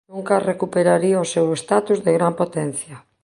Nunca recuperaría o seu status de gran potencia.